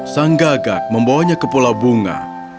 sang gagak membawanya ke pulau bunga